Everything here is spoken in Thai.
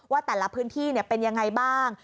ว่าแต่ละพื้นที่เป็นยังไงบ้าง